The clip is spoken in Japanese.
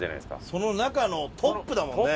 その中のトップだもんね。